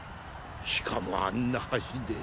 しかもあんな端で。